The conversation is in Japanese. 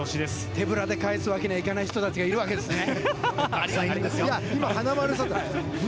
手ぶらで帰すわけにはいかない人たちがいるわけですね。